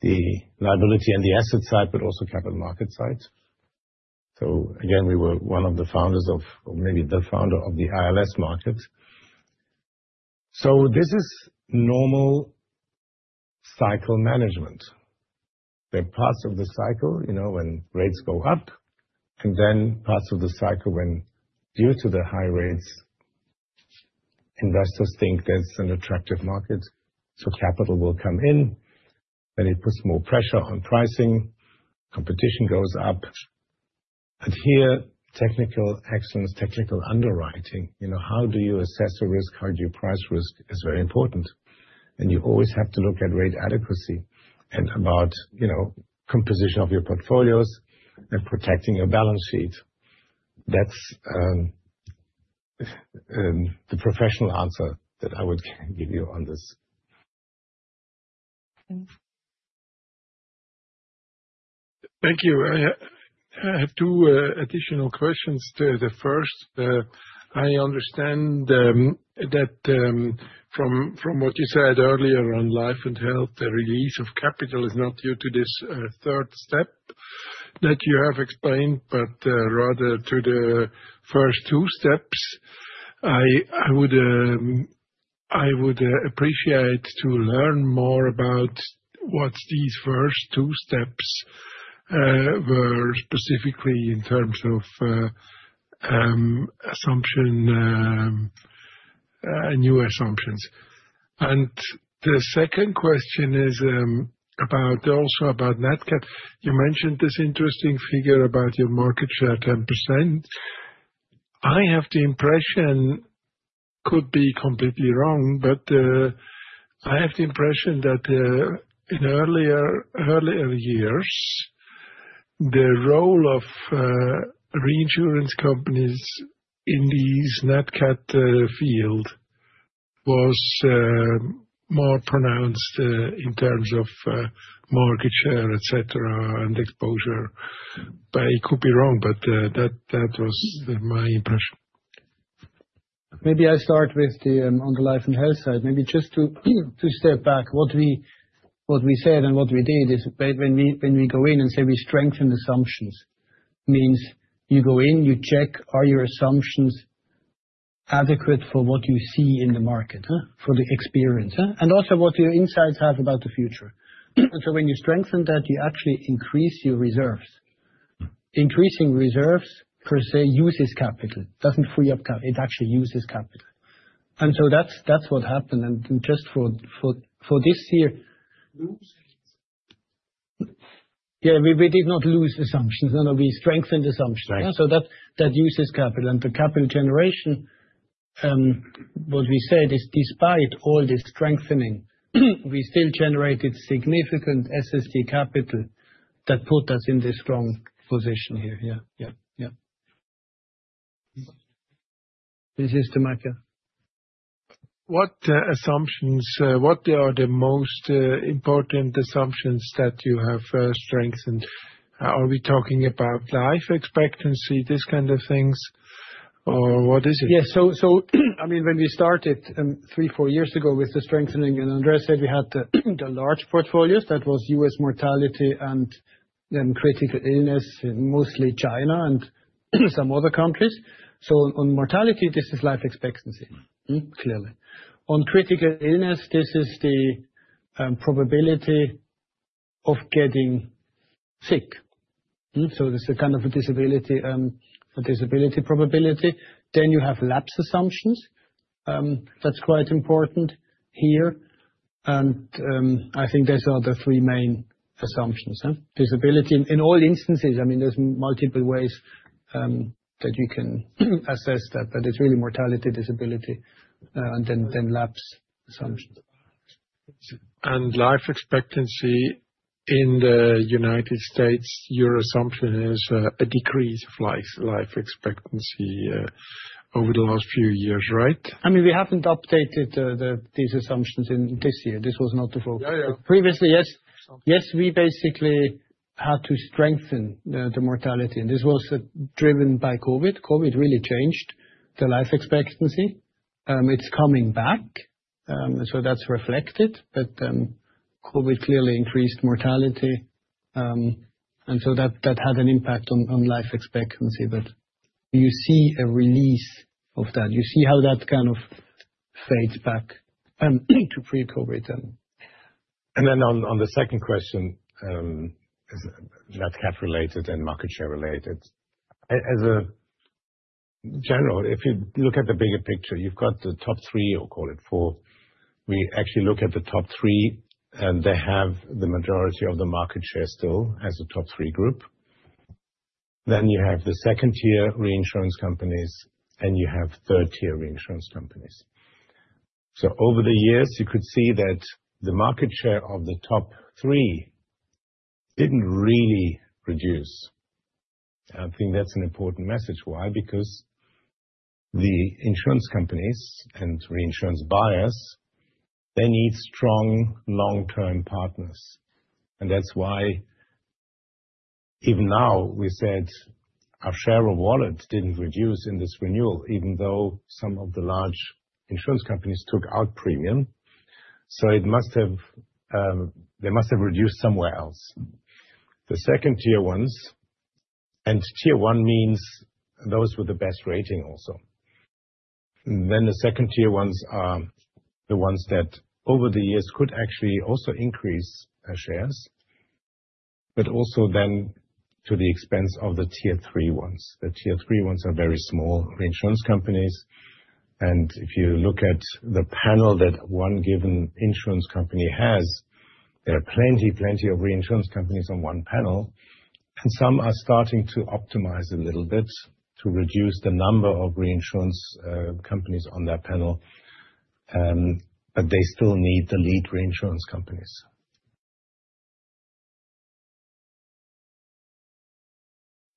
the liability and the asset side, but also capital market side. Again, we were one of the founders of, or maybe the founder of the ILS market. This is normal cycle management. There are parts of the cycle, you know, when rates go up, and then parts of the cycle when, due to the high rates, investors think there's an attractive market, so capital will come in, and it puts more pressure on pricing, competition goes up. Here, technical excellence, technical underwriting, you know, how do you assess the risk? How do you price risk, is very important. You always have to look at rate adequacy and about, you know, composition of your portfolios and protecting your balance sheet. That's the professional answer that I would give you on this. Thank you. I have two additional questions. The first I understand that from what you said earlier on Life & Health, the release of capital is not due to this third step that you have explained, but rather to the first two steps. I would appreciate to learn more about what these first two steps were specifically in terms of assumption new assumptions. The second question is also about Nat Cat. You mentioned this interesting figure about your market share, 10%. I have the impression, could be completely wrong, but, I have the impression that, in earlier years, the role of reinsurance companies in this Nat Cat field was more pronounced in terms of market share, et cetera, and exposure. I could be wrong, but that was my impression. Maybe I start with the on the Life & Health side. Maybe just to step back, what we said and what we did is when we go in and say we strengthen assumptions, means you go in, you check, are your assumptions adequate for what you see in the market? For the experience, and also what your insights have about the future. When you strengthen that, you actually increase your reserves. Increasing reserves, per se, uses capital, doesn't free up it actually uses capital. That's what happened. Just for this year. Lose? Yeah, we did not lose assumptions. No, we strengthened assumptions. Right. That uses capital. The capital generation, what we said is, despite all this strengthening, we still generated significant SST capital that put us in this strong position here. Yeah, yeah. This is Stamacia. What assumptions, what are the most important assumptions that you have strengthened? Are we talking about life expectancy, this kind of things, or what is it? Yes, I mean, when we started, three, four years ago, with the strengthening, and Andreas said we had the large portfolios. That was U.S. mortality and then critical illness in mostly China and some other countries. On mortality, this is life expectancy. Clearly. On critical illness, this is the probability of getting sick. This is a kind of a disability, a disability probability. You have lapse assumptions. That's quite important here. I think those are the three main assumptions. Disability in all instances, I mean, there's multiple ways that you can assess that, but it's really mortality, disability, and then lapse assumptions. Life expectancy in the United States, your assumption is a decrease of life expectancy over the last few years, right? I mean, we haven't updated these assumptions in this year. This was not the focus. Yeah, yeah. Previously, yes. Yes, we basically had to strengthen the mortality, and this was driven by COVID. COVID really changed the life expectancy. It's coming back, so that's reflected. COVID clearly increased mortality, and so that had an impact on life expectancy. You see a release of that. You see how that kind of fades back, to pre-COVID then. On the second question, that's cap related and market share related. As a general, if you look at the bigger picture, you've got the top three, or call it four. We actually look at the top three, and they have the majority of the market share still as a top three group. You have the second-tier reinsurance companies, and you have third-tier reinsurance companies. Over the years, you could see that the market share of the top three didn't really reduce. I think that's an important message. Why? Because the insurance companies and reinsurance buyers, they need strong long-term partners, and that's why even now, we said our share of wallet didn't reduce in this renewal, even though some of the large insurance companies took out premium. They must have reduced somewhere else. The second-tier ones, tier one means those with the best rating also. The second-tier ones are the ones that, over the years, could actually also increase our shares, but also then to the expense of the tier-three ones. The tier-three ones are very small reinsurance companies, if you look at the panel that one given insurance company has, there are plenty of reinsurance companies on one panel, and some are starting to optimize a little bit to reduce the number of reinsurance companies on that panel. They still need the lead reinsurance companies.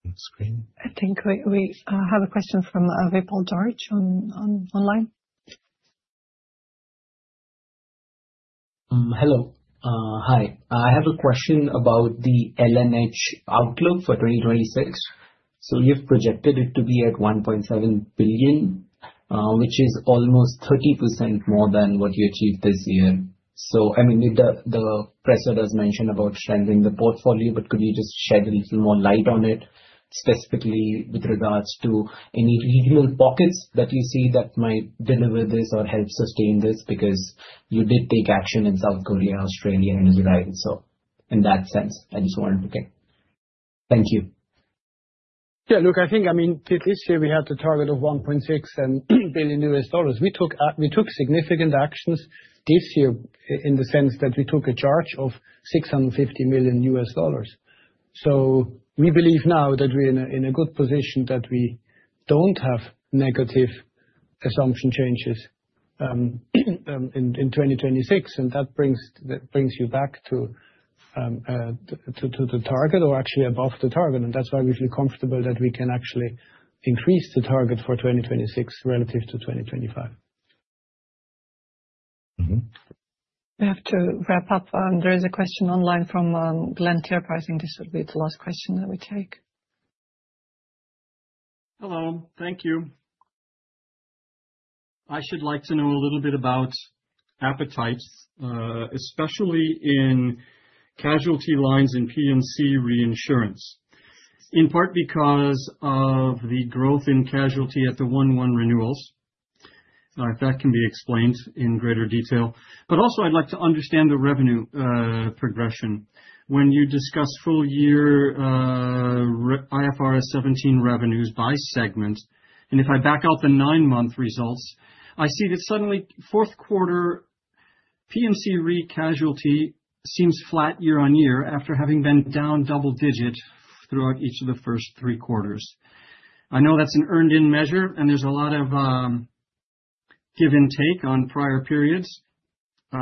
On screen? I think we have a question from Vipul Garg on online. I have a question about the L&H outlook for 2026. You've projected it to be at $1.7 billion, which is almost 30% more than what you achieved this year. The presser does mention about strengthening the portfolio, but could you just shed a little more light on it, specifically with regards to any real pockets that you see that might deliver this or help sustain this? Because you did take action in South Korea, Australia, and Israel. In that sense, I just wanted to check. Thank you. Look, I think, I mean, this year we had the target of $1.6 billion. We took significant actions this year, in the sense that we took a charge of $650 million. We believe now that we're in a good position, that we don't have negative assumption changes in 2026. That brings you back to the target or actually above the target. That's why we feel comfortable that we can actually increase the target for 2026 relative to 2025. We have to wrap up. There is a question online from Glenn Schorr. I think this will be the last question that we take. Hello. Thank you. I should like to know a little bit about appetites, especially in casualty lines in P&C Reinsurance. In part because of the growth in casualty at the 1/1 renewals, if that can be explained in greater detail. Also I'd like to understand the revenue progression. When you discuss full year IFRS 17 revenues by segment, if I back out the 9-month results, I see that suddenly fourth quarter P&C Re casualty seems flat year-on-year, after having been down double-digit throughout each of the first three quarters. I know that's an earned in measure, and there's a lot of give and take on prior periods, but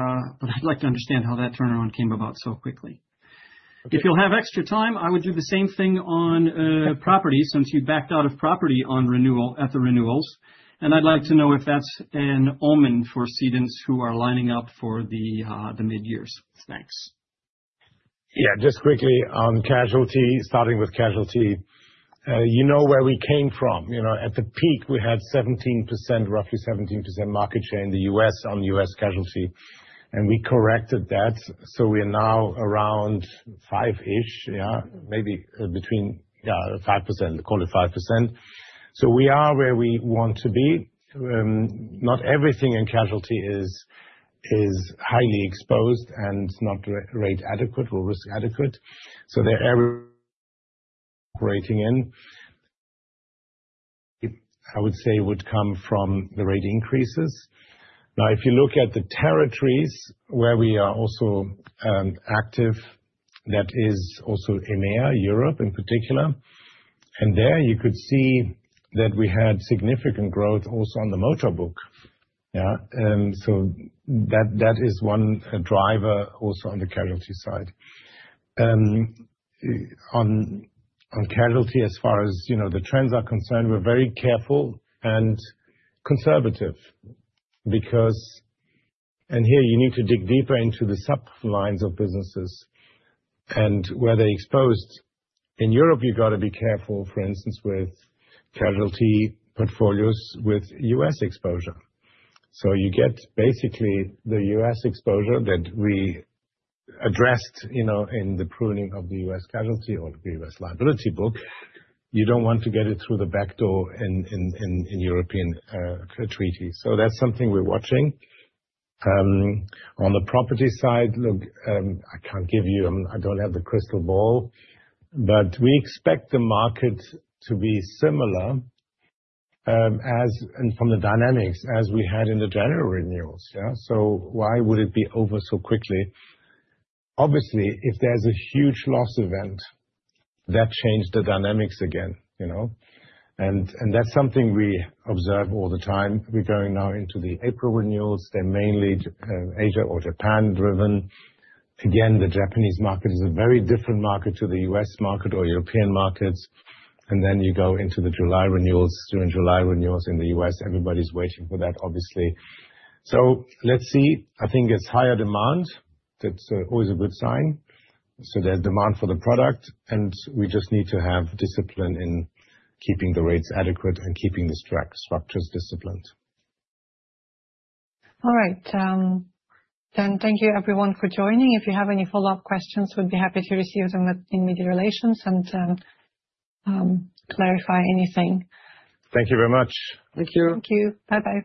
I'd like to understand how that turnaround came about so quickly. Okay. If you'll have extra time, I would do the same thing on property, since you backed out of property on renewal, at the renewals. I'd like to know if that's an omen for cedants who are lining up for the midyears. Thanks. Just quickly on casualty, starting with casualty. You know where we came from. You know, at the peak, we had 17%, roughly 17% market share in the U.S., on U.S. casualty, and we corrected that. We are now around five-ish, yeah, maybe 5%. Call it 5%. We are where we want to be. Not everything in casualty is highly exposed and not rate adequate or risk adequate. They're every breaking in. I would say, would come from the rate increases. If you look at the territories where we are also active, that is also EMEA, Europe in particular, and there you could see that we had significant growth also on the motor book. That is one driver also on the casualty side. On casualty, as far as, you know, the trends are concerned, we're very careful and conservative because. Here you need to dig deeper into the sublines of businesses and where they're exposed. In Europe, you've got to be careful, for instance, with casualty portfolios, with U.S., exposure. You get basically the US exposure that we addressed, you know, in the pruning of the U.S., casualty or the U.S., liability book. You don't want to get it through the back door in European treaty. That's something we're watching. On the property side, look, I can't give you. I don't have the crystal ball, but we expect the market to be similar as, and from the dynamics, as we had in the January renewals. Yeah? Why would it be over so quickly? Obviously, if there's a huge loss event, that changed the dynamics again, you know. That's something we observe all the time. We're going now into the April renewals. They're mainly Asia or Japan-driven. Again, the Japanese market is a very different market to the U.S. market or European markets. You go into the July renewals, during July renewals in the U.S. Everybody's waiting for that, obviously. Let's see. I think it's higher demand. That's always a good sign. There's demand for the product, and we just need to have discipline in keeping the rates adequate and keeping the structures disciplined. All right. Thank you everyone for joining. If you have any follow-up questions, we'd be happy to receive them at the media relations and, clarify anything. Thank you very much. Thank you. Thank you. Bye-bye.